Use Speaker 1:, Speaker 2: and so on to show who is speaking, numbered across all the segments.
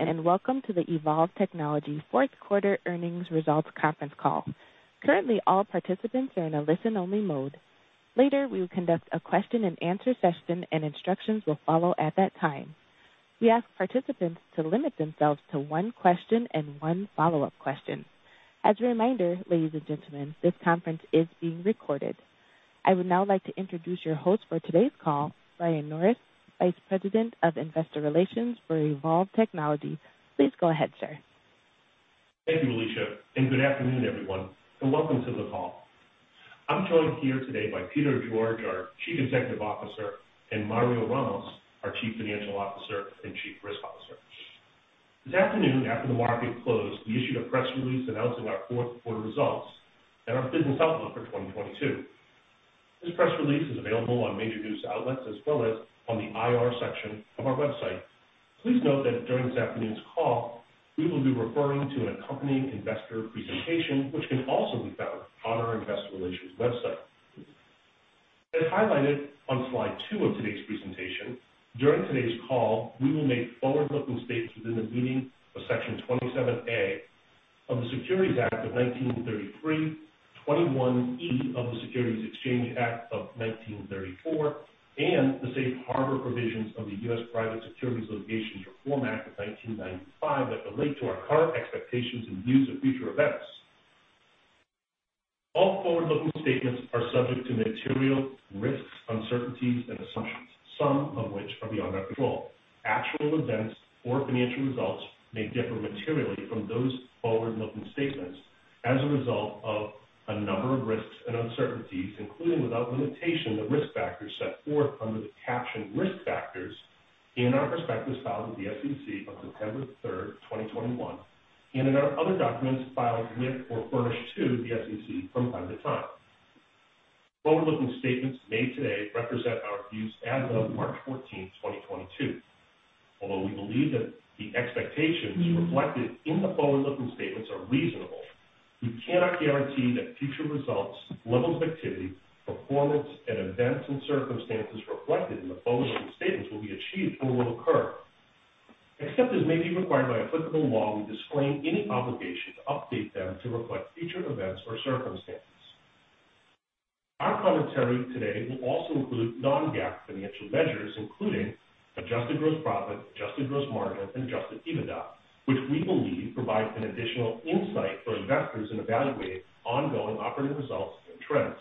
Speaker 1: Good afternoon, and welcome to the Evolv Technologies fourth quarter earnings results conference call. Currently, all participants are in a listen-only mode. Later, we will conduct a question and answer session and instructions will follow at that time. We ask participants to limit themselves to one question and one follow-up question. As a reminder, ladies and gentlemen, this conference is being recorded. I would now like to introduce your host for today's call, Brian Norris, Vice President of Investor Relations for Evolv Technologies. Please go ahead, sir.
Speaker 2: Thank you, Alicia, and good afternoon, everyone, and welcome to the call. I'm joined here today by Peter George, our Chief Executive Officer, and Mario Ramos, our Chief Financial Officer and Chief Risk Officer. This afternoon, after the market closed, we issued a press release announcing our fourth quarter results and our business outlook for 2022. This press release is available on major news outlets as well as on the IR section of our website. Please note that during this afternoon's call, we will be referring to an accompanying investor presentation, which can also be found on our investor relations website. As highlighted on slide two of today's presentation, during today's call, we will make forward-looking statements within the meaning of Section 27A of the Securities Act of 1933, 21E of the Securities Exchange Act of 1934, and the safe harbor provisions of the U.S. Private Securities Litigation Reform Act of 1995 that relate to our current expectations and views of future events. All forward-looking statements are subject to material risks, uncertainties and assumptions, some of which are beyond our control. Actual events or financial results may differ materially from those forward-looking statements as a result of a number of risks and uncertainties, including without limitation, the risk factors set forth under the caption Risk Factors in our prospectus filed with the SEC on September 3rd, 2021, and in our other documents filed with or furnished to the SEC from time to time. Forward-looking statements made today represent our views as of March 14th, 2022. Although we believe that the expectations reflected in the forward-looking statements are reasonable, we cannot guarantee that future results, levels of activity, performance, and events and circumstances reflected in the forward-looking statements will be achieved or will occur. Except as may be required by applicable law, we disclaim any obligation to update them to reflect future events or circumstances. Our commentary today will also include non-GAAP financial measures, including adjusted gross profit, adjusted gross margin, and adjusted EBITDA, which we believe provides an additional insight for investors in evaluating ongoing operating results and trends.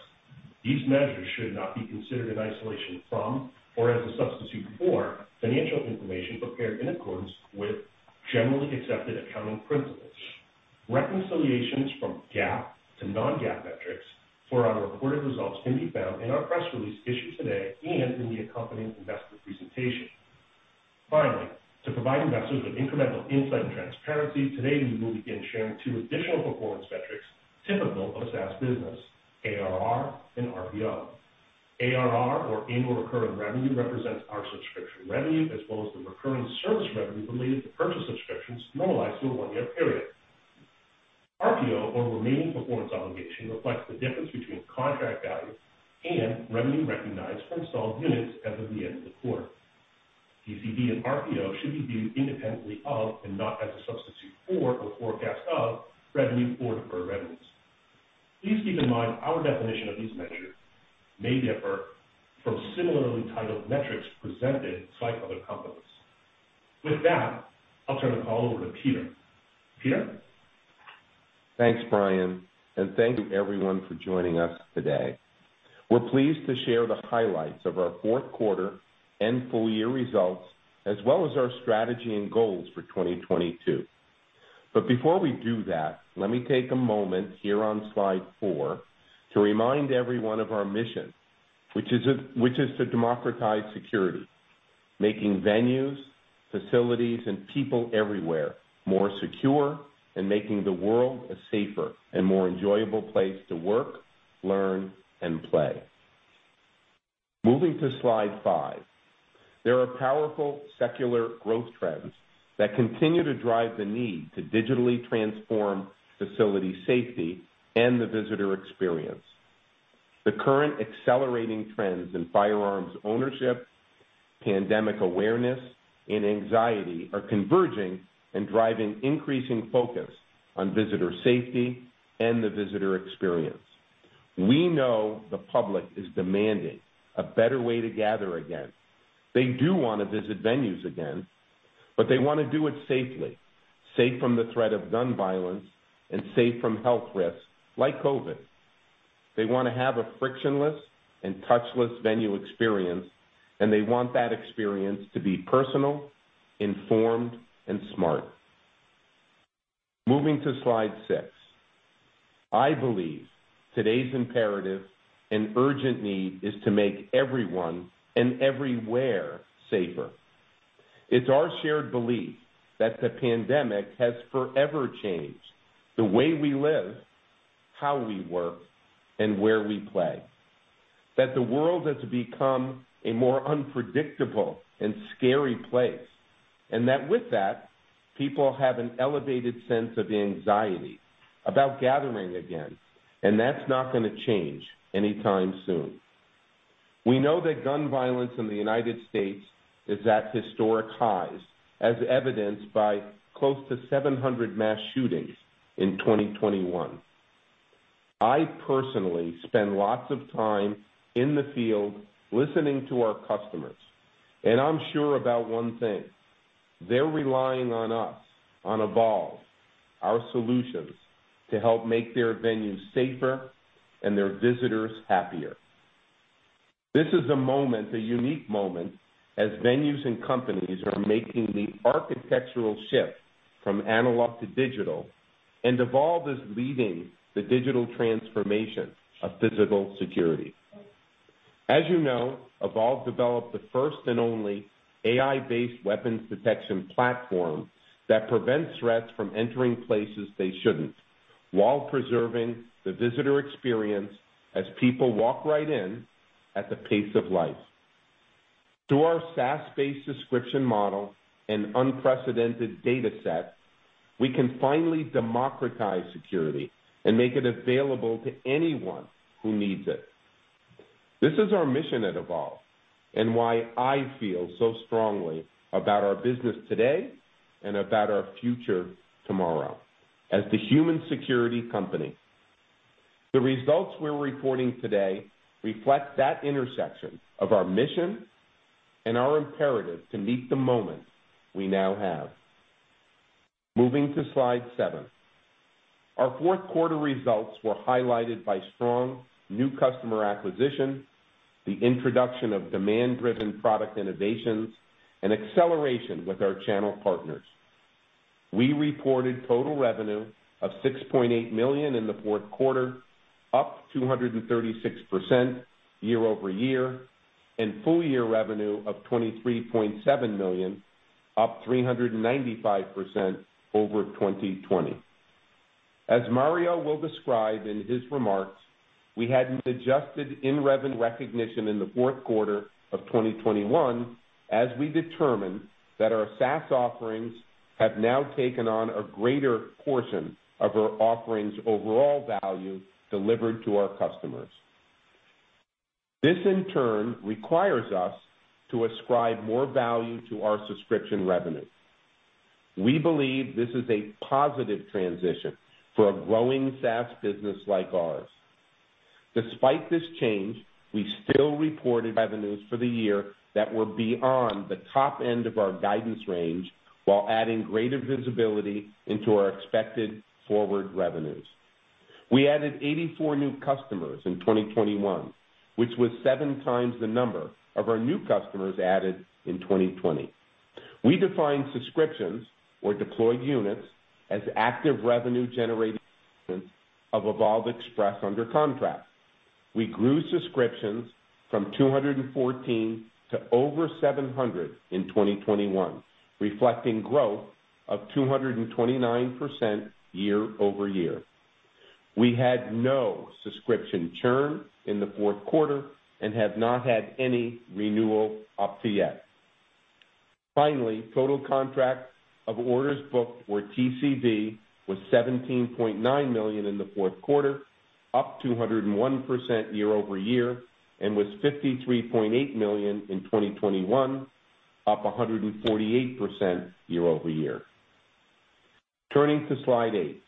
Speaker 2: These measures should not be considered in isolation from or as a substitute for financial information prepared in accordance with generally accepted accounting principles. Reconciliations from GAAP to non-GAAP metrics for our reported results can be found in our press release issued today and in the accompanying investor presentation. Finally, to provide investors with incremental insight and transparency, today we will begin sharing two additional performance metrics typical of a SaaS business, ARR, and RPO. ARR, or annual recurring revenue, represents our subscription revenue as well as the recurring service revenue related to purchase subscriptions normalized to a one-year period. RPO or remaining performance obligation reflects the difference between contract value and revenue recognized for installed units as of the end of the quarter. TCV and RPO should be viewed independently of and not as a substitute for or forecast of revenue or deferred revenues. Please keep in mind our definition of these measures may differ from similarly titled metrics presented by other companies. With that, I'll turn the call over to Peter. Peter?
Speaker 3: Thanks, Brian, and thank you everyone for joining us today. We're pleased to share the highlights of our fourth quarter and full year results, as well as our strategy and goals for 2022. Before we do that, let me take a moment here on slide four to remind everyone of our mission, which is to democratize security, making venues, facilities, and people everywhere more secure and making the world a safer and more enjoyable place to work, learn, and play. Moving to slide 5. There are powerful secular growth trends that continue to drive the need to digitally transform facility safety and the visitor experience. The current accelerating trends in firearms ownership, pandemic awareness, and anxiety are converging and driving increasing focus on visitor safety and the visitor experience. We know the public is demanding a better way to gather again. They do wanna visit venues again, but they wanna do it safely, safe from the threat of gun violence and safe from health risks like COVID. They wanna have a frictionless and touchless venue experience, and they want that experience to be personal, informed, and smart. Moving to slide six. I believe today's imperative and urgent need is to make everyone and everywhere safer. It's our shared belief that the pandemic has forever changed the way we live, how we work, and where we play. That the world has become a more unpredictable and scary place, and that with that, people have an elevated sense of anxiety about gathering again, and that's not gonna change anytime soon. We know that gun violence in the United States is at historic highs, as evidenced by close to 700 mass shootings in 2021. I personally spend lots of time in the field listening to our customers, and I'm sure about one thing. They're relying on us, on Evolv, our solutions to help make their venues safer and their visitors happier. This is a moment, a unique moment, as venues and companies are making the architectural shift from analog to digital, and Evolv is leading the digital transformation of physical security. As you know, Evolv developed the first and only AI-based weapons detection platform that prevents threats from entering places they shouldn't, while preserving the visitor experience as people walk right in at the pace of life. Through our SaaS-based subscription model and unprecedented data set, we can finally democratize security and make it available to anyone who needs it. This is our mission at Evolv and why I feel so strongly about our business today and about our future tomorrow as the human security company. The results we're reporting today reflect that intersection of our mission and our imperative to meet the moment we now have. Moving to slide seven. Our fourth quarter results were highlighted by strong new customer acquisition, the introduction of demand-driven product innovations, and acceleration with our channel partners. We reported total revenue of $6.8 million in the fourth quarter, up 236% year-over-year, and full-year revenue of $23.7 million, up 395% over 2020. As Mario will describe in his remarks, we had an adjustment in revenue recognition in the fourth quarter of 2021, as we determined that our SaaS offerings have now taken on a greater portion of our offerings' overall value delivered to our customers. This, in turn, requires us to ascribe more value to our subscription revenue. We believe this is a positive transition for a growing SaaS business like ours. Despite this change, we still reported revenues for the year that were beyond the top end of our guidance range while adding greater visibility into our expected forward revenues. We added 84 new customers in 2021, which was seven times the number of our new customers added in 2020. We define subscriptions or deployed units as active revenue-generating units of Evolv Express under contract. We grew subscriptions from 214 to over 700 in 2021, reflecting growth of 229% year-over-year. We had no subscription churn in the fourth quarter and have not had any renewal up to yet. Finally, total contract value of orders booked for TCV was $17.9 million in the fourth quarter, up 201% year-over-year, and was $53.8 million in 2021, up 148% year-over-year. Turning to slide eight.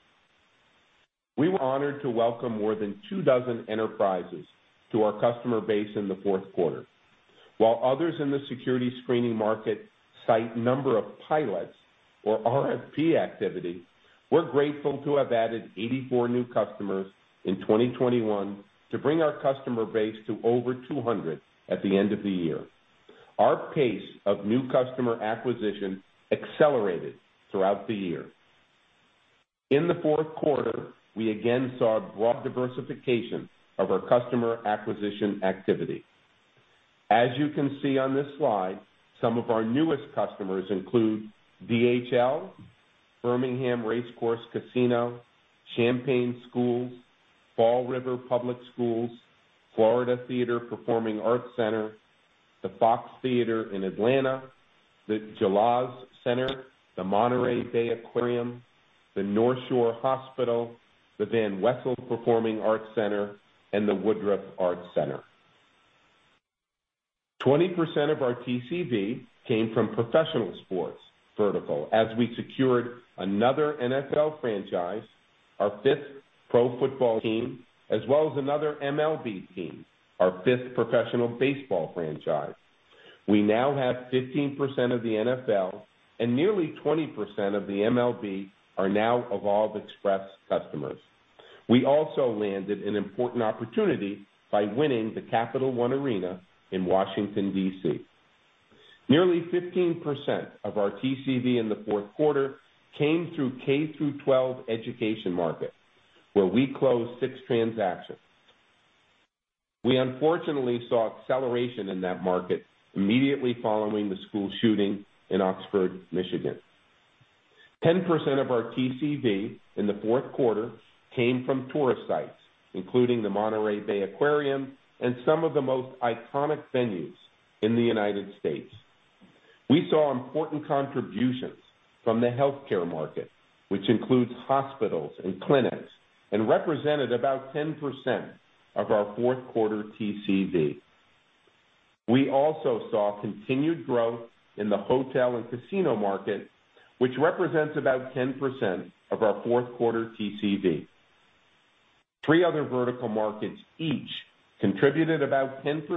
Speaker 3: We were honored to welcome more than 24 enterprises to our customer base in the fourth quarter. While others in the security screening market cite number of pilots or RFP activity, we're grateful to have added 84 new customers in 2021 to bring our customer base to over 200 at the end of the year. Our pace of new customer acquisition accelerated throughout the year. In the fourth quarter, we again saw broad diversification of our customer acquisition activity. As you can see on this slide, some of our newest customers include DHL, Birmingham Race Course Casino, Champaign Schools, Fall River Public Schools, Florida Theatre Performing Arts Center, the Fox Theatre in Atlanta, the [Jalisco] Center, the Monterey Bay Aquarium, the North Shore Hospital, the Van Wezel Performing Arts Center, and the Woodruff Arts Center. 20% of our TCV came from professional sports vertical as we secured another NFL franchise, our fifth pro football team, as well as another MLB team, our fifth professional baseball franchise. We now have 15% of the NFL and nearly 20% of the MLB are now Evolv Express customers. We also landed an important opportunity by winning the Capital One Arena in Washington, D.C. Nearly 15% of our TCV in the fourth quarter came through K-12 education market, where we closed six transactions. We unfortunately saw acceleration in that market immediately following the school shooting in Oxford, Michigan. 10% of our TCV in the fourth quarter came from tourist sites, including the Monterey Bay Aquarium and some of the most iconic venues in the United States. We saw important contributions from the healthcare market, which includes hospitals and clinics, and represented about 10% of our fourth quarter TCV. We also saw continued growth in the hotel and casino market, which represents about 10% of our fourth quarter TCV. Three other vertical markets each contributed about 10%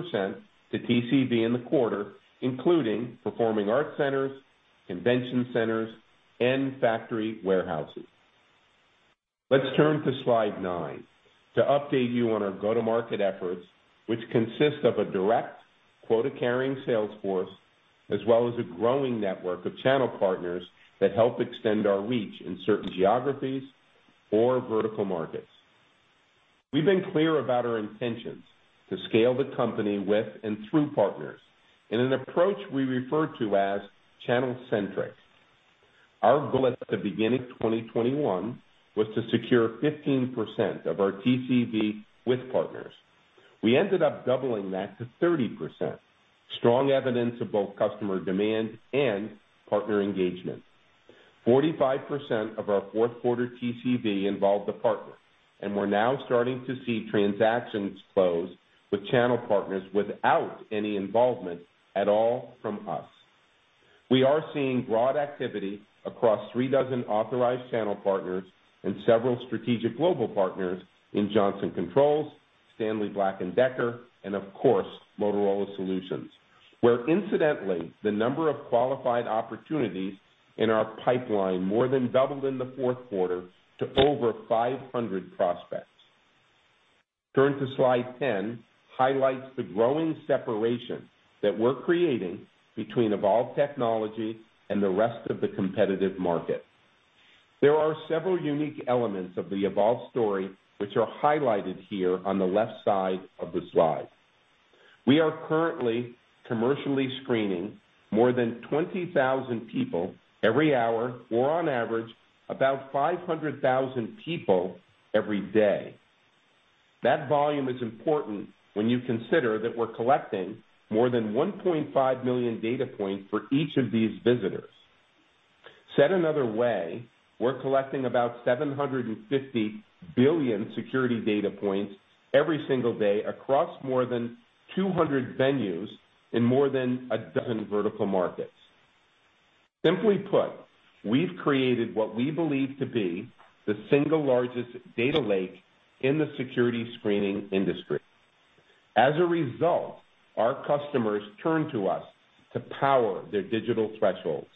Speaker 3: to TCV in the quarter, including performing arts centers, convention centers, and factory warehouses. Let's turn to slide nine to update you on our go-to-market efforts, which consist of a direct quota-carrying sales force, as well as a growing network of channel partners that help extend our reach in certain geographies or vertical markets. We've been clear about our intentions to scale the company with and through partners in an approach we refer to as channel-centric. Our goal at the beginning of 2021 was to secure 15% of our TCV with partners. We ended up doubling that to 30%. Strong evidence of both customer demand and partner engagement. 45% of our fourth quarter TCV involved a partner, and we're now starting to see transactions close with channel partners without any involvement at all from us. We are seeing broad activity across three dozen authorized channel partners and several strategic global partners in Johnson Controls, Stanley Black & Decker, and of course, Motorola Solutions, where incidentally, the number of qualified opportunities in our pipeline more than doubled in the fourth quarter to over 500 prospects. Turn to slide 10 highlights the growing separation that we're creating between Evolv Technologies and the rest of the competitive market. There are several unique elements of the Evolv story which are highlighted here on the left side of the slide. We are currently commercially screening more than 20,000 people every hour, or on average about 500,000 people every day. That volume is important when you consider that we're collecting more than 1.5 million data points for each of these visitors. Said another way, we're collecting about 750 billion security data points every single day across more than 200 venues in more than 12 vertical markets. Simply put, we've created what we believe to be the single largest data lake in the security screening industry. As a result, our customers turn to us to power their digital thresholds.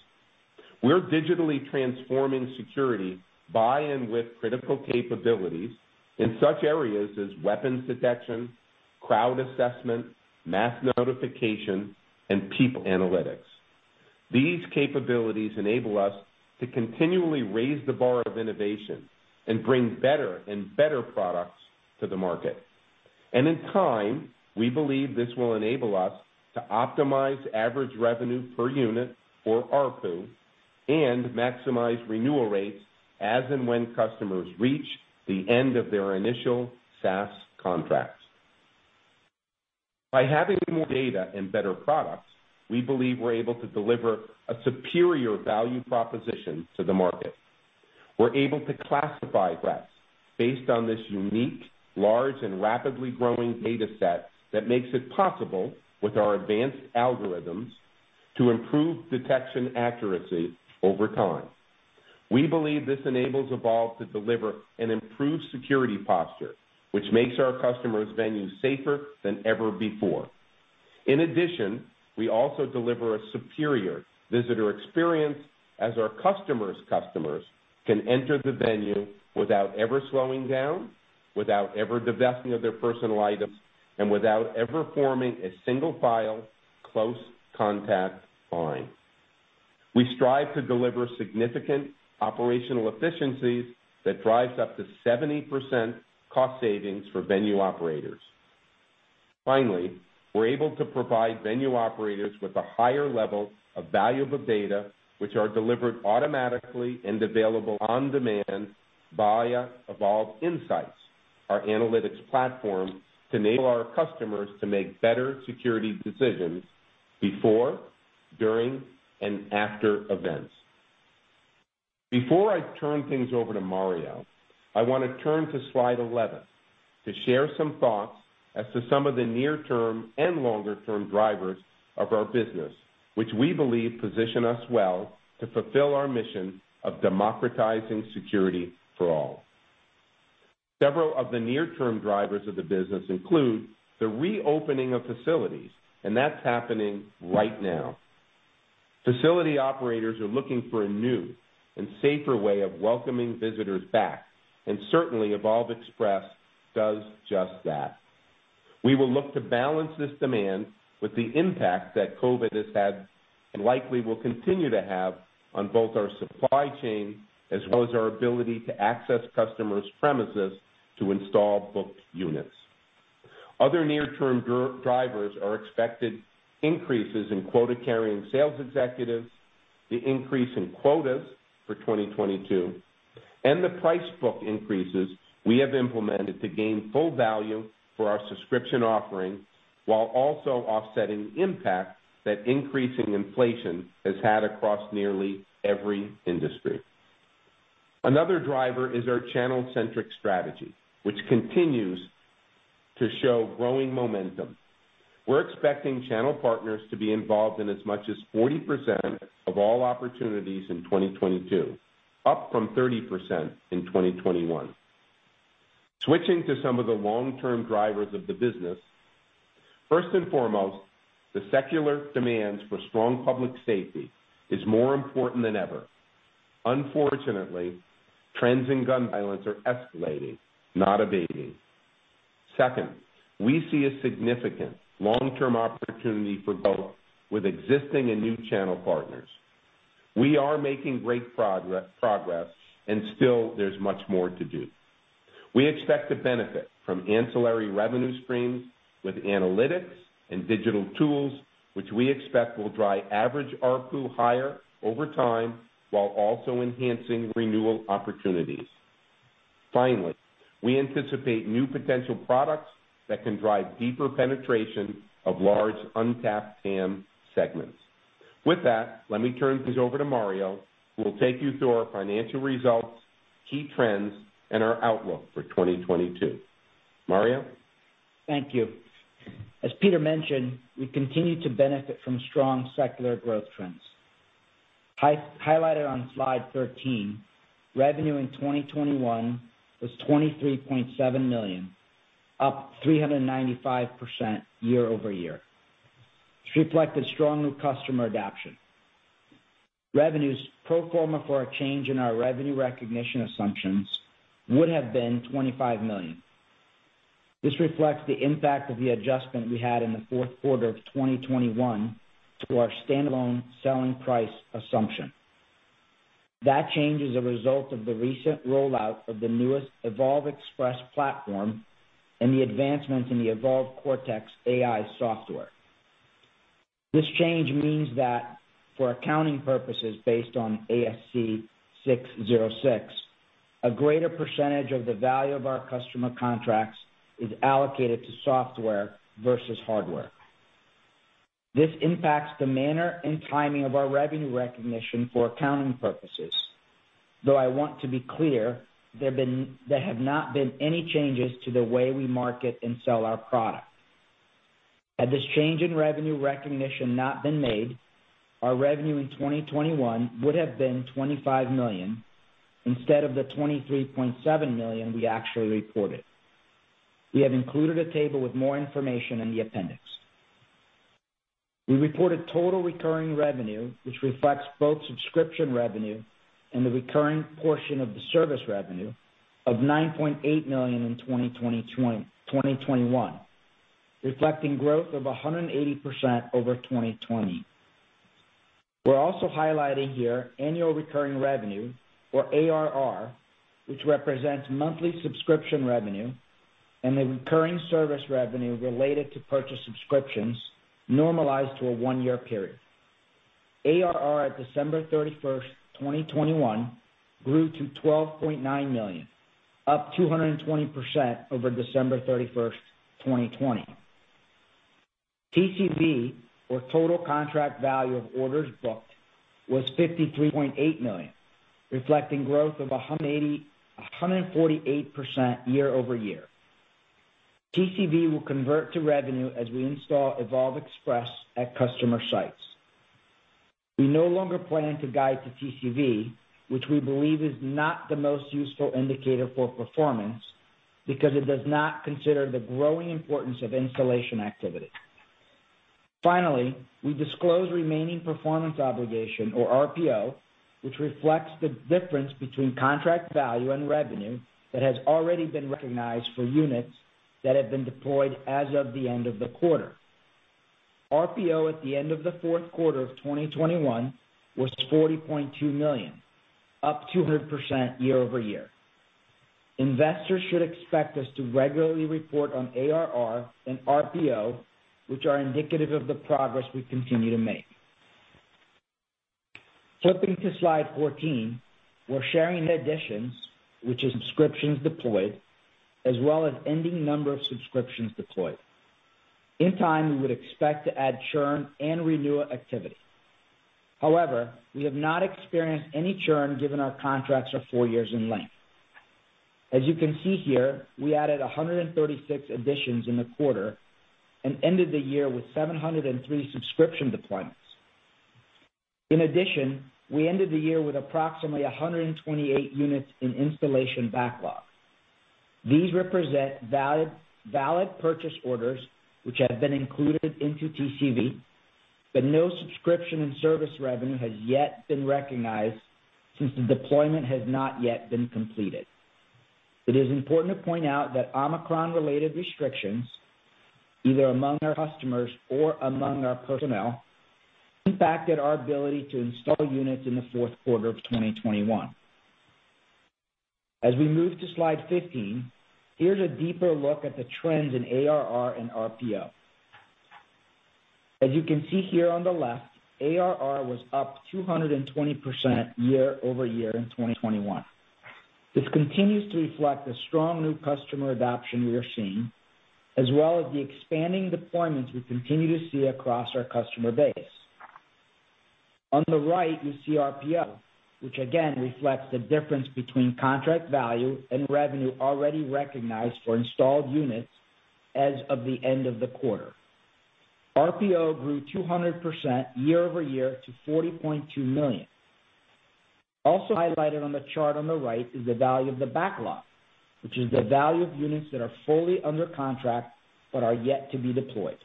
Speaker 3: We're digitally transforming security by and with critical capabilities in such areas as weapons detection, crowd assessment, mass notification, and people analytics. These capabilities enable us to continually raise the bar of innovation and bring better and better products to the market. In time, we believe this will enable us to optimize average revenue per unit or ARPU and maximize renewal rates as and when customers reach the end of their initial SaaS contracts. By having more data and better products, we believe we're able to deliver a superior value proposition to the market. We're able to classify threats based on this unique, large, and rapidly growing data set that makes it possible with our advanced algorithms to improve detection accuracy over time. We believe this enables Evolv to deliver an improved security posture, which makes our customers' venues safer than ever before. In addition, we also deliver a superior visitor experience as our customer's customers can enter the venue without ever slowing down, without ever divesting of their personal items, and without ever forming a single file close contact line. We strive to deliver significant operational efficiencies that drives up to 70% cost savings for venue operators. Finally, we're able to provide venue operators with a higher level of valuable data, which are delivered automatically and available on demand via Evolv Insights, our analytics platform to enable our customers to make better security decisions before, during, and after events. Before I turn things over to Mario, I want to turn to slide 11 to share some thoughts as to some of the near-term and longer-term drivers of our business, which we believe position us well to fulfill our mission of democratizing security for all. Several of the near-term drivers of the business include the reopening of facilities, and that's happening right now. Facility operators are looking for a new and safer way of welcoming visitors back, and certainly Evolv Express does just that. We will look to balance this demand with the impact that COVID has had and likely will continue to have on both our supply chain as well as our ability to access customers' premises to install booked units. Other near-term drivers are expected increases in quota-carrying sales executives, the increase in quotas for 2022, and the price book increases we have implemented to gain full value for our subscription offerings, while also offsetting the impact that increasing inflation has had across nearly every industry. Another driver is our channel-centric strategy, which continues to show growing momentum. We're expecting channel partners to be involved in as much as 40% of all opportunities in 2022, up from 30% in 2021. Switching to some of the long-term drivers of the business. First and foremost, the secular demands for strong public safety is more important than ever. Unfortunately, trends in gun violence are escalating, not abating. Second, we see a significant long-term opportunity for growth with existing and new channel partners. We are making great progress, and still there's much more to do. We expect to benefit from ancillary revenue streams with analytics and digital tools, which we expect will drive average ARPU higher over time while also enhancing renewal opportunities. Finally, we anticipate new potential products that can drive deeper penetration of large untapped TAM segments. With that, let me turn things over to Mario, who will take you through our financial results, key trends, and our outlook for 2022. Mario.
Speaker 4: Thank you. As Peter mentioned, we continue to benefit from strong secular growth trends. Highlighted on slide 13, revenue in 2021 was $23.7 million, up 395% year-over-year, which reflected strong new customer adoption. Revenues pro forma for a change in our revenue recognition assumptions would have been $25 million. This reflects the impact of the adjustment we had in the fourth quarter of 2021 to our standalone selling price assumption. That change is a result of the recent rollout of the newest Evolv Express platform and the advancements in the Evolv Cortex AI software. This change means that for accounting purposes based on ASC 606, a greater percentage of the value of our customer contracts is allocated to software versus hardware. This impacts the manner and timing of our revenue recognition for accounting purposes, though I want to be clear there have not been any changes to the way we market and sell our product. Had this change in revenue recognition not been made, our revenue in 2021 would have been $25 million instead of the $23.7 million we actually reported. We have included a table with more information in the appendix. We reported total recurring revenue, which reflects both subscription revenue and the recurring portion of the service revenue of $9.8 million in 2021, reflecting growth of 180% over 2020. We're also highlighting here annual recurring revenue, or ARR, which represents monthly subscription revenue and the recurring service revenue related to purchase subscriptions normalized to a one-year period. ARR at December 31st, 2021 grew to $12.9 million, up 220% over December 31st, 2020. TCV or total contract value of orders booked was $53.8 million, reflecting growth of 148% year-over-year. TCV will convert to revenue as we install Evolv Express at customer sites. We no longer plan to guide to TCV, which we believe is not the most useful indicator for performance because it does not consider the growing importance of installation activity. Finally, we disclose remaining performance obligation or RPO, which reflects the difference between contract value and revenue that has already been recognized for units that have been deployed as of the end of the quarter. RPO at the end of the fourth quarter of 2021 was $40.2 million, up 200% year-over-year. Investors should expect us to regularly report on ARR and RPO, which are indicative of the progress we continue to make. Flipping to slide 14, we're sharing additions which is subscriptions deployed as well as ending number of subscriptions deployed. In time, we would expect to add churn and renewal activity. However, we have not experienced any churn given our contracts are four years in length. As you can see here, we added 136 additions in the quarter and ended the year with 703 subscription deployments. In addition, we ended the year with approximately 128 units in installation backlog. These represent valid purchase orders which have been included into TCV, but no subscription and service revenue has yet been recognized since the deployment has not yet been completed. It is important to point out that Omicron-related restrictions, either among our customers or among our personnel, impacted our ability to install units in the fourth quarter of 2021. As we move to slide 15, here's a deeper look at the trends in ARR and RPO. As you can see here on the left, ARR was up 220% year-over-year in 2021. This continues to reflect the strong new customer adoption we are seeing, as well as the expanding deployments we continue to see across our customer base. On the right, you see RPO, which again reflects the difference between contract value and revenue already recognized for installed units as of the end of the quarter. RPO grew 200% year-over-year to $40.2 million. Also highlighted on the chart on the right is the value of the backlog, which is the value of units that are fully under contract but are yet to be deployed.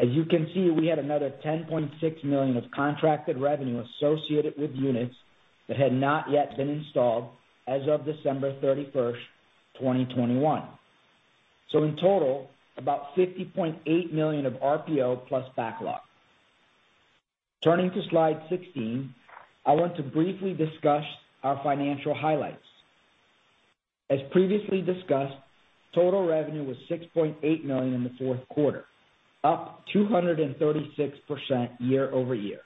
Speaker 4: As you can see, we had another $10.6 million of contracted revenue associated with units that had not yet been installed as of December 31, 2021. In total, about $50.8 million of RPO plus backlog. Turning to slide 16, I want to briefly discuss our financial highlights. As previously discussed, total revenue was $6.8 million in the fourth quarter, up 236% year-over-year.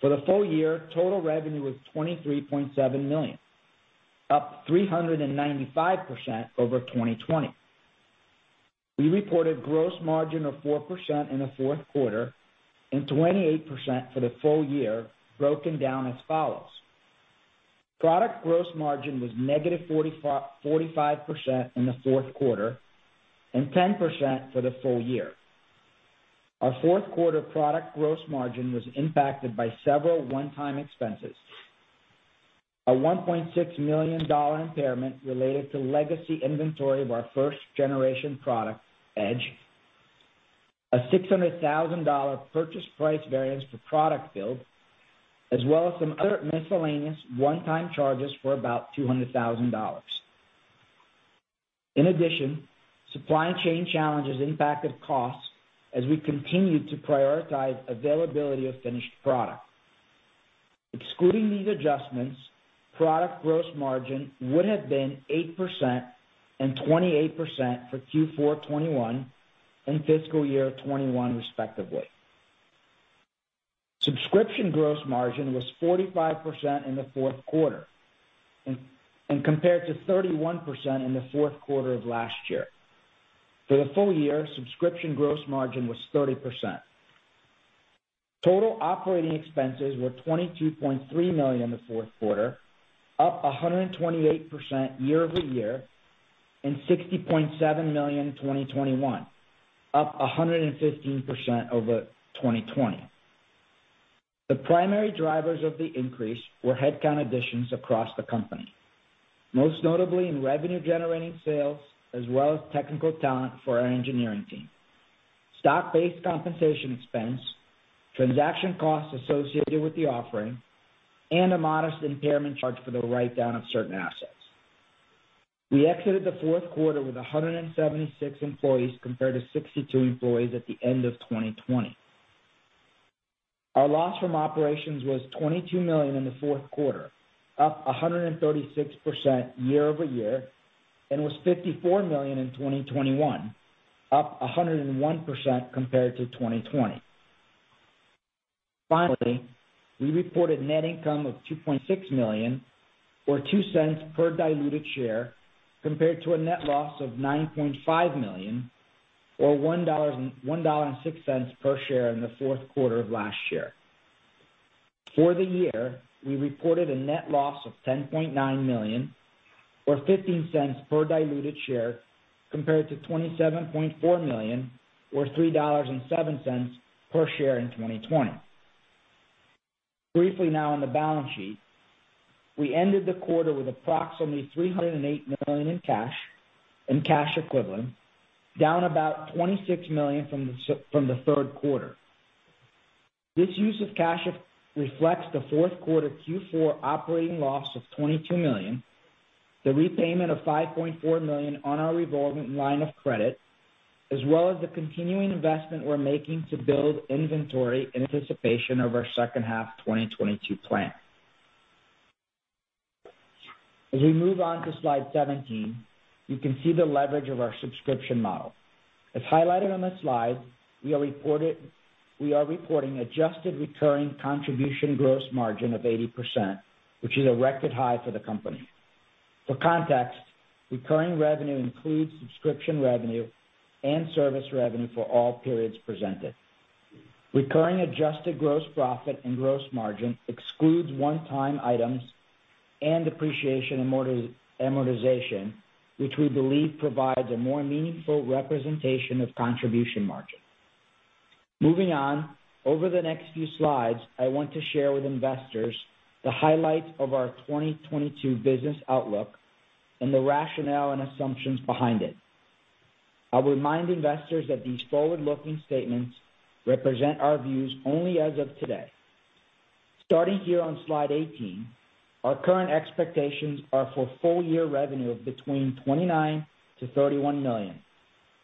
Speaker 4: For the full year, total revenue was $23.7 million, up 395% over 2020. We reported gross margin of 4% in the fourth quarter and 28% for the full year, broken down as follows. Product gross margin was -45% in the fourth quarter and 10% for the full year. Our fourth quarter product gross margin was impacted by several one-time expenses. A $1.6 million impairment related to legacy inventory of our first generation product, Edge. A $600,000 purchase price variance for product build, as well as some other miscellaneous one-time charges for about $200,000. In addition, supply chain challenges impacted costs as we continued to prioritize availability of finished product. Excluding these adjustments, product gross margin would have been 8% and 28% for Q4 2021 and fiscal year 2021 respectively. Subscription gross margin was 45% in the fourth quarter and compared to 31% in the fourth quarter of last year. For the full year, subscription gross margin was 30%. Total operating expenses were $22.3 million in the fourth quarter, up 128% year-over-year, and $60.7 million in 2021, up 115% over 2020. The primary drivers of the increase were headcount additions across the company, most notably in revenue generating sales as well as technical talent for our engineering team. Stock-based compensation expense, transaction costs associated with the offering, and a modest impairment charge for the write-down of certain assets. We exited the fourth quarter with 176 employees compared to 62 employees at the end of 2020. Our loss from operations was $22 million in the fourth quarter, up 136% year-over-year, and was $54 million in 2021, up 101% compared to 2020. Finally, we reported net income of $2.6 million, or $0.02 per diluted share, compared to a net loss of $9.5 million or $1.06 per share in the fourth quarter of last year. For the year, we reported a net loss of $10.9 million or $0.15 per diluted share, compared to $27.4 million or $3.07 per share in 2020. Briefly now on the balance sheet. We ended the quarter with approximately $308 million in cash and cash equivalents, down about $26 million from the third quarter. This use of cash reflects the fourth quarter Q4 operating loss of $22 million, the repayment of $5.4 million on our revolving line of credit, as well as the continuing investment we're making to build inventory in anticipation of our second half 2022 plan. As we move on to slide 17, you can see the leverage of our subscription model. As highlighted on the slide, we are reporting adjusted recurring contribution gross margin of 80%, which is a record high for the company. For context, recurring revenue includes subscription revenue and service revenue for all periods presented. Recurring adjusted gross profit and gross margin excludes one-time items and depreciation amortization, which we believe provides a more meaningful representation of contribution margin. Moving on. Over the next few slides, I want to share with investors the highlights of our 2022 business outlook and the rationale and assumptions behind it. I'll remind investors that these forward-looking statements represent our views only as of today. Starting here on slide 18, our current expectations are for full-year revenue of between $29 million-$31 million,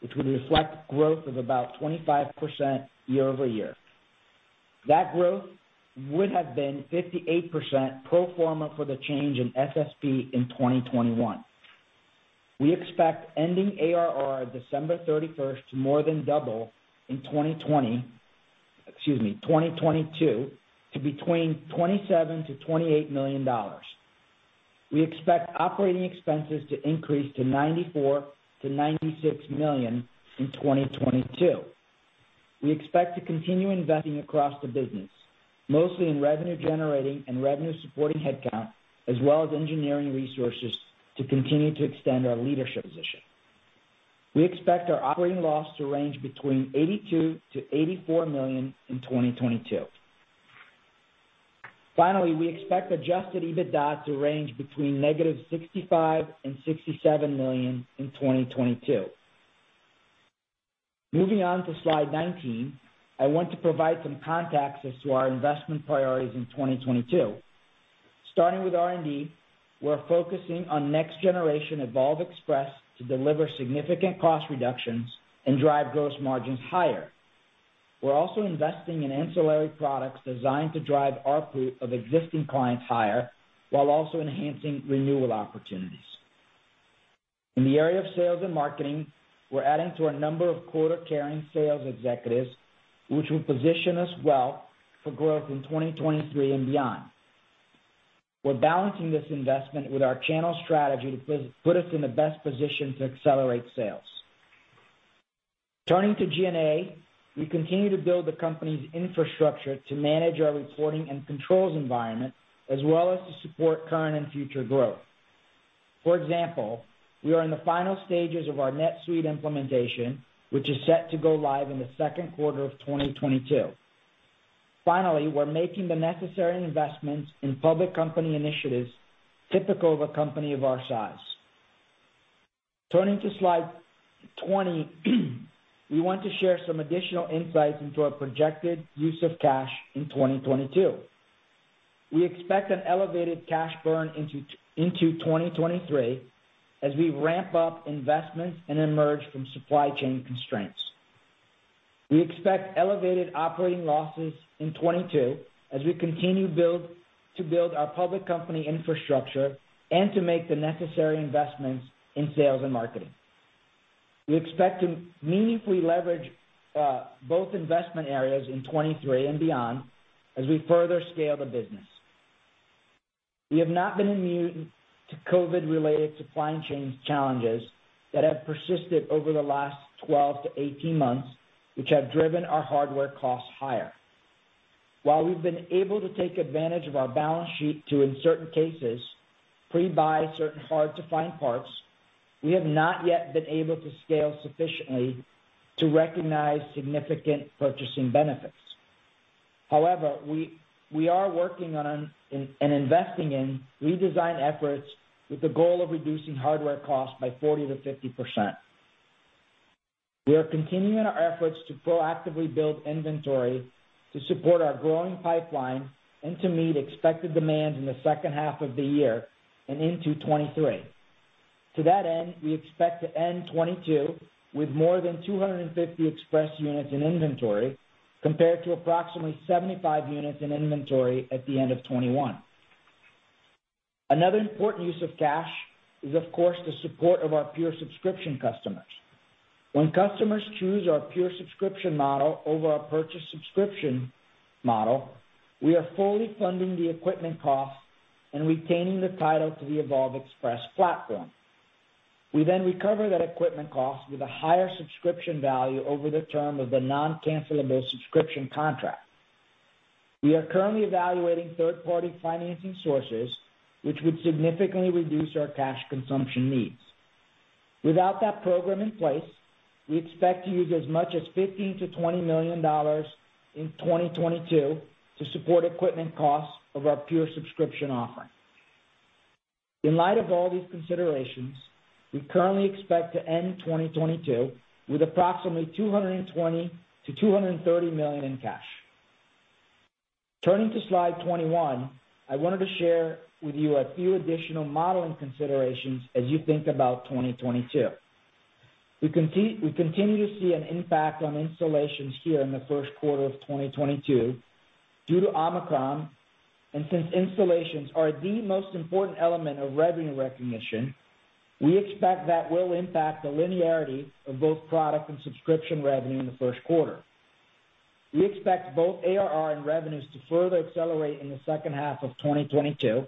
Speaker 4: which would reflect growth of about 25% year-over-year. That growth would have been 58% pro forma for the change in SSP in 2021. We expect ending ARR December 31st to more than double in 2022 to between $27 million-$28 million. We expect operating expenses to increase to $94 million-$96 million in 2022. We expect to continue investing across the business, mostly in revenue generating and revenue supporting headcount, as well as engineering resources to continue to extend our leadership position. We expect our operating loss to range between $82-$84 million in 2022. Finally, we expect adjusted EBITDA to range between negative $65-$67 million in 2022. Moving on to slide 19, I want to provide some context as to our investment priorities in 2022. Starting with R&D, we're focusing on next-generation Evolv Express to deliver significant cost reductions and drive gross margins higher. We're also investing in ancillary products designed to drive ARPU of existing clients higher, while also enhancing renewal opportunities. In the area of sales and marketing, we're adding to a number of quota-carrying sales executives, which will position us well for growth in 2023 and beyond. We're balancing this investment with our channel strategy to put us in the best position to accelerate sales. Turning to G&A, we continue to build the company's infrastructure to manage our reporting and controls environment, as well as to support current and future growth. For example, we are in the final stages of our NetSuite implementation, which is set to go live in the second quarter of 2022. Finally, we're making the necessary investments in public company initiatives typical of a company of our size. Turning to slide 20, we want to share some additional insights into our projected use of cash in 2022. We expect an elevated cash burn into 2023 as we ramp up investments and emerge from supply chain constraints. We expect elevated operating losses in 2022 as we continue to build our public company infrastructure and to make the necessary investments in sales and marketing. We expect to meaningfully leverage both investment areas in 2023 and beyond as we further scale the business. We have not been immune to COVID-related supply chain challenges that have persisted over the last 12-18 months, which have driven our hardware costs higher. While we've been able to take advantage of our balance sheet to, in certain cases, pre-buy certain hard to find parts, we have not yet been able to scale sufficiently to recognize significant purchasing benefits. However, we are working on and investing in redesign efforts with the goal of reducing hardware costs by 40%-50%. We are continuing our efforts to proactively build inventory to support our growing pipeline and to meet expected demand in the second half of the year and into 2023. To that end, we expect to end 2022 with more than 250 Express units in inventory, compared to approximately 75 units in inventory at the end of 2021. Another important use of cash is, of course, the support of our pure subscription customers. When customers choose our pure subscription model over our purchase subscription model, we are fully funding the equipment costs and retaining the title to the Evolv Express platform. We then recover that equipment cost with a higher subscription value over the term of the non-cancelable subscription contract. We are currently evaluating third-party financing sources, which would significantly reduce our cash consumption needs. Without that program in place, we expect to use as much as $15-$20 million in 2022 to support equipment costs of our pure subscription offering. In light of all these considerations, we currently expect to end 2022 with approximately $220-$230 million in cash. Turning to slide 21, I wanted to share with you a few additional modeling considerations as you think about 2022. We continue to see an impact on installations here in the first quarter of 2022 due to Omicron, and since installations are the most important element of revenue recognition, we expect that will impact the linearity of both product and subscription revenue in the first quarter. We expect both ARR and revenues to further accelerate in the second half of 2022,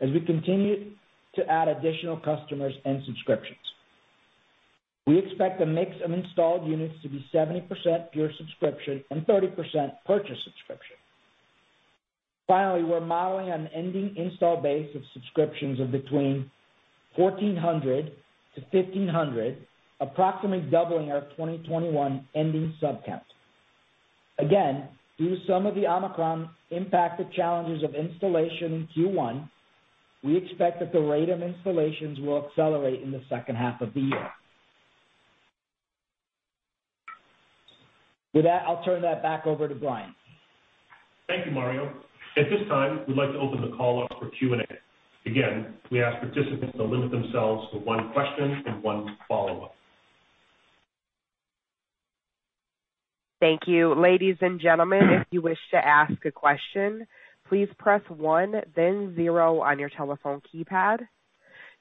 Speaker 4: as we continue to add additional customers and subscriptions. We expect the mix of installed units to be 70% pure subscription and 30% purchase subscription. Finally, we're modeling an ending installed base of subscriptions of between 1,400-1,500, approximately doubling our 2021 ending sub count. Again, due to some of the Omicron impacted challenges of installation in Q1, we expect that the rate of installations will accelerate in the second half of the year. With that, I'll turn that back over to Brian.
Speaker 2: Thank you, Mario. At this time, we'd like to open the call up for Q&A. Again, we ask participants to limit themselves to one question and one follow-up.
Speaker 1: Thank you. Ladies and gentlemen, if you wish to ask a question, please press one then zero on your telephone keypad.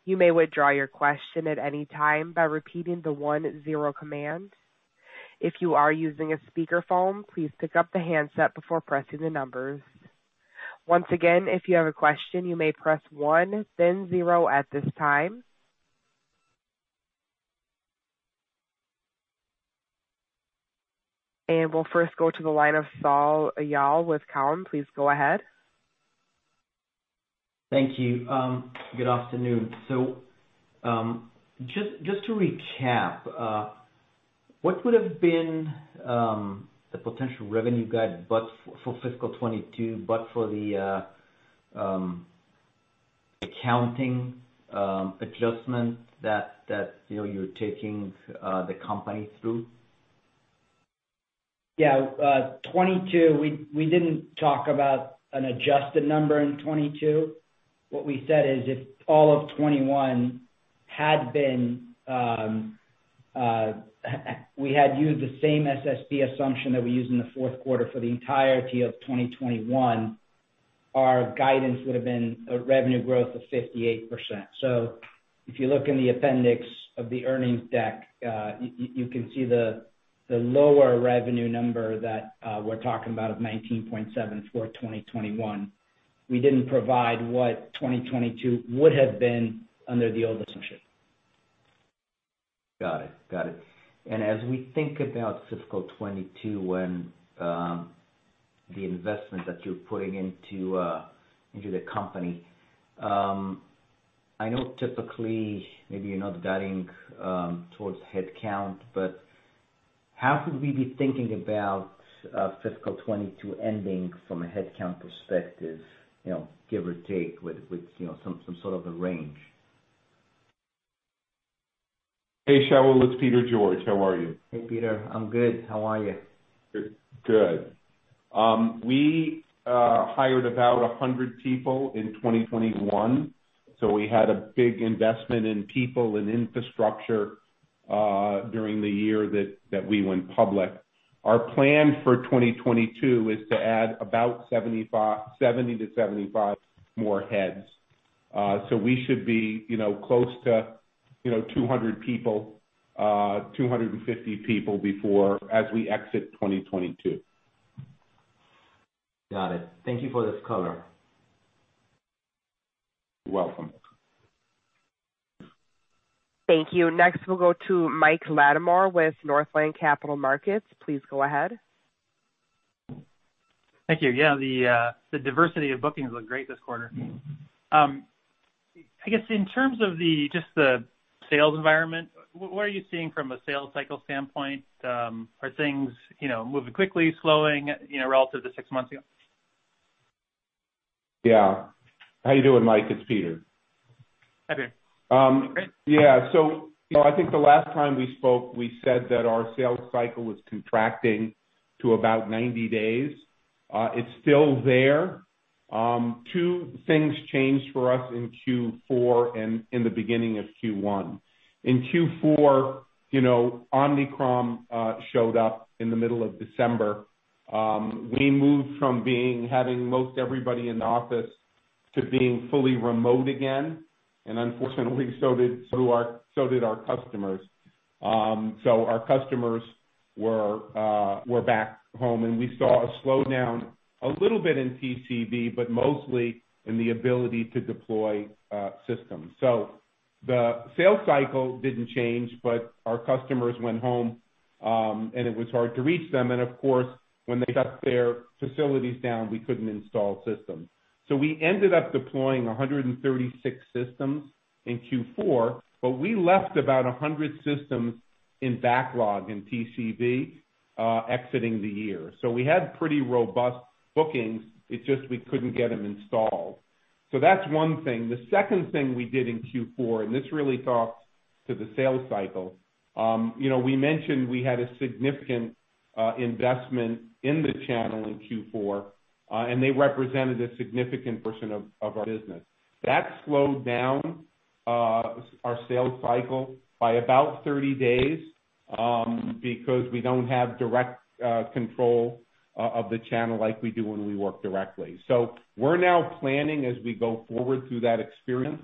Speaker 1: You may withdraw your question at any time by repeating the one-zero command. If you are using a speaker phone, please pick up the handset before pressing the numbers. Once again, if you have a question, you may press one then zero at this time. We'll first go to the line of Shaul Eyal with Cowen. Please go ahead.
Speaker 5: Thank you. Good afternoon. Just to recap, what would have been the potential revenue guide for fiscal 2022 but for the accounting adjustment that you know you're taking the company through?
Speaker 3: Yeah. 2022, we didn't talk about an adjusted number in 2022. What we said is if all of 2021 had been, we had used the same SSP assumption that we used in the fourth quarter for the entirety of 2021, our guidance would have been a revenue growth of 58%. If you look in the appendix of the earnings deck, you can see the lower revenue number that we're talking about of $19.7 for 2021. We didn't provide what 2022 would have been under the old assumption.
Speaker 5: Got it. As we think about fiscal 2022 when the investment that you're putting into the company, I know typically maybe you're not guiding towards headcount, but how could we be thinking about fiscal 2022 ending from a headcount perspective, you know, give or take with you know some sort of a range?
Speaker 3: Hey, Shaul. It's Peter George, how are you?
Speaker 5: Hey, Peter. I'm good. How are you?
Speaker 3: Good. We hired about 100 people in 2021, so we had a big investment in people and infrastructure during the year that we went public. Our plan for 2022 is to add about 70-75 more heads. We should be, you know, close to, you know, 200 people, 250 people before as we exit 2022.
Speaker 5: Got it. Thank you for this color.
Speaker 3: You're welcome.
Speaker 1: Thank you. Next, we'll go to Mike Latimore with Northland Capital Markets. Please go ahead.
Speaker 6: Thank you. Yeah, the diversity of bookings look great this quarter. I guess in terms of just the sales environment, what are you seeing from a sales cycle standpoint? Are things, you know, moving quickly, slowing, you know, relative to six months ago?
Speaker 3: Yeah. How you doing, Mike? It's Peter.
Speaker 6: Hi, Peter. I'm great.
Speaker 3: Yeah. You know, I think the last time we spoke we said that our sales cycle was contracting to about 90 days. It's still there. Two things changed for us in Q4 and in the beginning of Q1. In Q4, you know, Omicron showed up in the middle of December. We moved from having most everybody in the office to being fully remote again, and unfortunately, so did our customers. Our customers were back home, and we saw a slowdown a little bit in TCV, but mostly in the ability to deploy systems. The sales cycle didn't change, but our customers went home, and it was hard to reach them. Of course, when they shut their facilities down, we couldn't install systems. We ended up deploying 136 systems in Q4, but we left about 100 systems in backlog in TCV exiting the year. We had pretty robust bookings. It's just we couldn't get them installed. That's one thing. The second thing we did in Q4, and this really talks to the sales cycle, you know, we mentioned we had a significant investment in the channel in Q4, and they represented a significant portion of our business. That slowed down our sales cycle by about 30 days, because we don't have direct control of the channel like we do when we work directly. We're now planning as we go forward through that experience.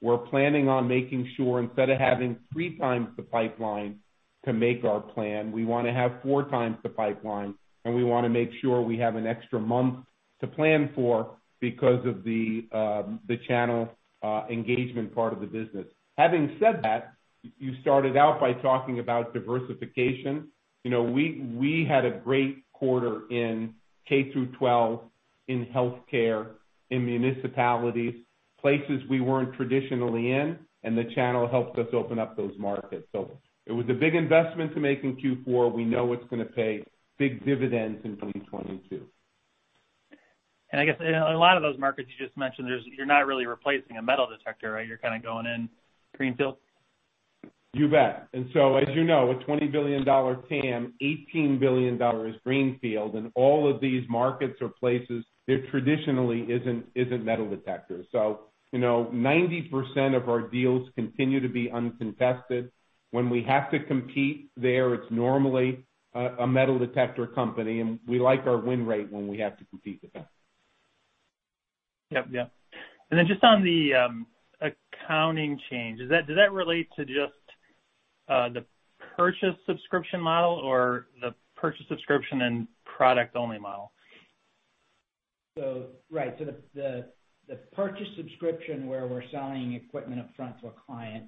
Speaker 3: We're planning on making sure, instead of having three times the pipeline to make our plan, we wanna have four times the pipeline, and we wanna make sure we have an extra month to plan for because of the channel engagement part of the business. Having said that, you started out by talking about diversification. You know, we had a great quarter in K-12, in healthcare, in municipalities, places we weren't traditionally in, and the channel helped us open up those markets. It was a big investment to make in Q4. We know it's gonna pay big dividends in 2022.
Speaker 6: I guess in a lot of those markets you just mentioned, there's, you're not really replacing a metal detector, right? You're kinda going in greenfield.
Speaker 3: You bet. As you know, a $20 billion TAM, $18 billion is greenfield, and all of these markets or places there traditionally isn't metal detectors. You know, 90% of our deals continue to be uncontested. When we have to compete there, it's normally a metal detector company, and we like our win rate when we have to compete with them.
Speaker 6: Yep, yeah. Then just on the accounting change, does that relate to just the purchase subscription model or the purchase subscription and product only model?
Speaker 4: The purchase subscription where we're selling equipment upfront to a client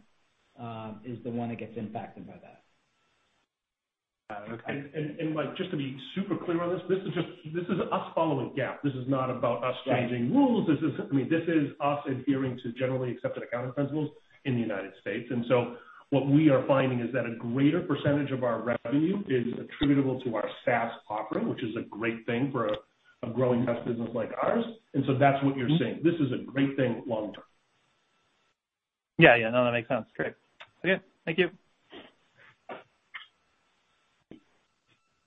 Speaker 4: is the one that gets impacted by that.
Speaker 6: Got it. Okay.
Speaker 2: Like, just to be super clear on this is us following GAAP. This is not about us changing rules. I mean, this is us adhering to generally accepted accounting principles in the United States. What we are finding is that a greater percentage of our revenue is attributable to our SaaS offering, which is a great thing for a growing fast business like ours. That's what you're seeing. This is a great thing long term.
Speaker 6: Yeah, yeah. No, that makes sense.
Speaker 2: Great.
Speaker 6: Okay. Thank you.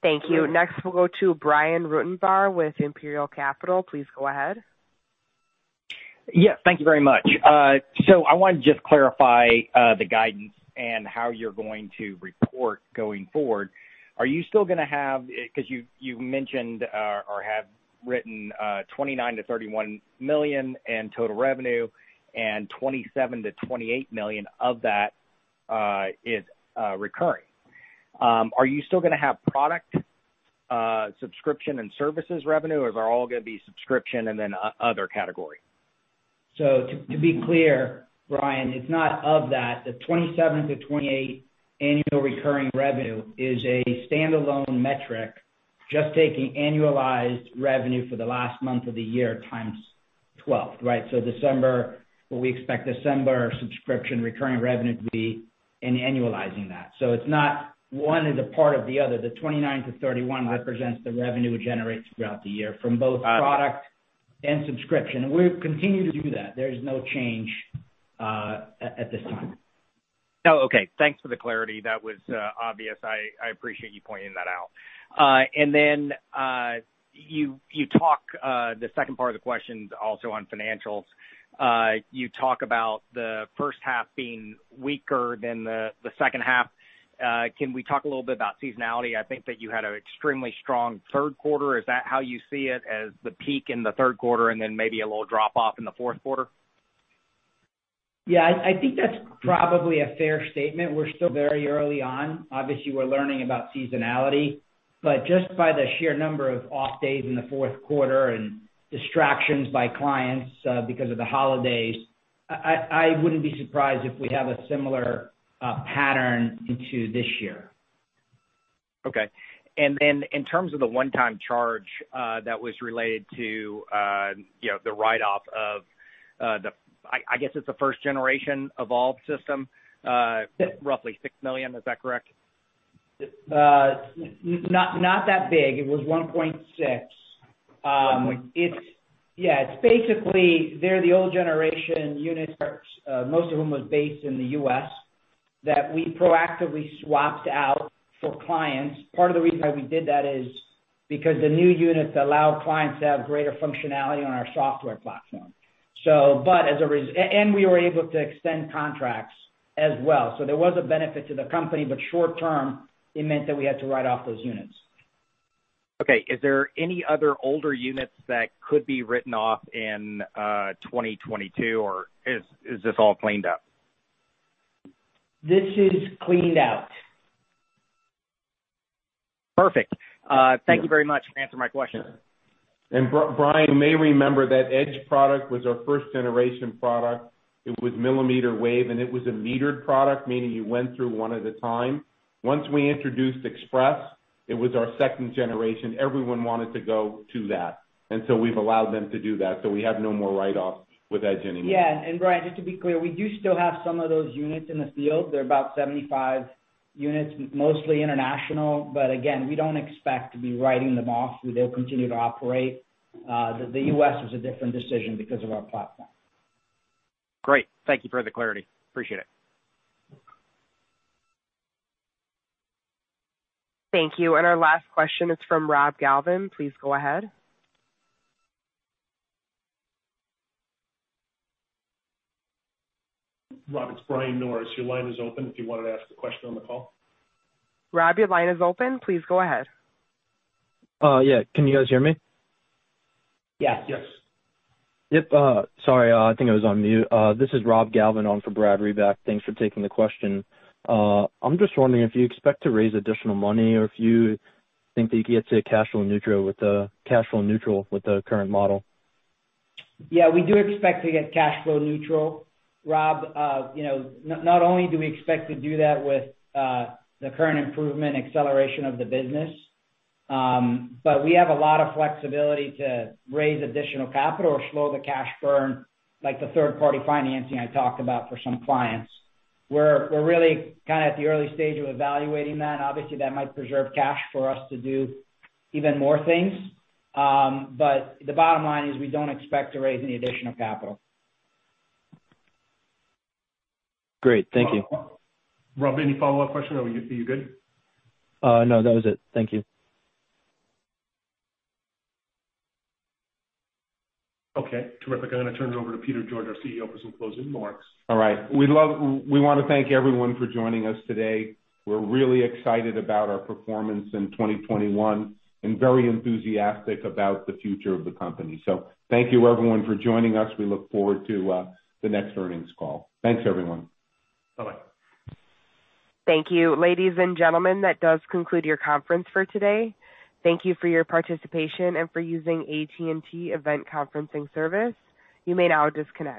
Speaker 1: Thank you. Next, we'll go to Brian Ruttenbur with Imperial Capital. Please go ahead.
Speaker 7: Yeah, thank you very much. So I wanted to just clarify the guidance and how you're going to report going forward. Are you still gonna have? Because you mentioned or have written $29 million-$31 million in total revenue and $27 million-$28 million of that is recurring. Are you still gonna have product subscription and services revenue, or is it all gonna be subscription and then other category?
Speaker 4: To be clear, Brian, it's not of that. The 27-28 annual recurring revenue is a standalone metric, just taking annualized revenue for the last month of the year times 12, right? December, what we expect December subscription recurring revenue to be and annualizing that. It's not one is a part of the other. The 29-31 represents the revenue it generates throughout the year from both product and subscription. We continue to do that. There is no change at this time.
Speaker 7: Oh, okay. Thanks for the clarity. That was obvious. I appreciate you pointing that out. The second part of the question is also on financials. You talk about the first half being weaker than the second half. Can we talk a little bit about seasonality? I think that you had an extremely strong third quarter. Is that how you see it, as the peak in the third quarter and then maybe a little drop off in the fourth quarter?
Speaker 4: Yeah, I think that's probably a fair statement. We're still very early on. Obviously, we're learning about seasonality, but just by the sheer number of off days in the fourth quarter and distractions by clients, because of the holidays, I wouldn't be surprised if we have a similar pattern into this year.
Speaker 7: Okay. In terms of the one-time charge, that was related to, you know, the write-off of the first generation Evolv system, roughly $6 million, is that correct?
Speaker 4: Not that big. It was $1.6. It's basically they're the old generation units, most of them was based in the U.S., that we proactively swapped out for clients. Part of the reason why we did that is because the new units allow clients to have greater functionality on our software platform. And we were able to extend contracts as well. There was a benefit to the company, but short term, it meant that we had to write off those units.
Speaker 7: Okay. Is there any other older units that could be written off in 2022, or is this all cleaned up?
Speaker 4: This is cleaned out.
Speaker 7: Perfect. Thank you very much for answering my question.
Speaker 2: Brian, you may remember that Edge product was our first generation product. It was millimeter wave, and it was a metered product, meaning you went through one at a time. Once we introduced Express, it was our second generation. Everyone wanted to go to that, and so we've allowed them to do that. We have no more write-offs with Edge anymore.
Speaker 4: Yeah. Brian, just to be clear, we do still have some of those units in the field. There are about 75 units, mostly international. Again, we don't expect to be writing them off. They'll continue to operate. The U.S. was a different decision because of our platform.
Speaker 7: Great. Thank you for the clarity. Appreciate it.
Speaker 1: Thank you. Our last question is from Rob Galvin. Please go ahead.
Speaker 2: Rob, it's Brian Norris. Your line is open if you wanted to ask a question on the call.
Speaker 1: Rob, your line is open. Please go ahead.
Speaker 8: Yeah. Can you guys hear me?
Speaker 4: Yeah.
Speaker 2: Yes.
Speaker 8: Yep. Sorry, I think I was on mute. This is Rob Galvin on for Brad Reback. Thanks for taking the question. I'm just wondering if you expect to raise additional money or if you think that you can get to cash flow neutral with the current model.
Speaker 4: Yeah, we do expect to get cash flow neutral, Rob. Not only do we expect to do that with the current improvement acceleration of the business, but we have a lot of flexibility to raise additional capital or slow the cash burn, like the third-party financing I talked about for some clients. We're really kinda at the early stage of evaluating that. Obviously, that might preserve cash for us to do even more things. The bottom line is we don't expect to raise any additional capital.
Speaker 8: Great. Thank you.
Speaker 2: Rob, any follow-up question or you good?
Speaker 8: No, that was it. Thank you.
Speaker 2: Okay, terrific. I'm gonna turn it over to Peter George, our CEO, for some closing remarks.
Speaker 3: All right. We wanna thank everyone for joining us today. We're really excited about our performance in 2021 and very enthusiastic about the future of the company. Thank you, everyone, for joining us. We look forward to the next earnings call. Thanks, everyone. Bye-bye.
Speaker 1: Thank you. Ladies and gentlemen, that does conclude your conference for today. Thank you for your participation and for using AT&T Event Conferencing Service. You may now disconnect.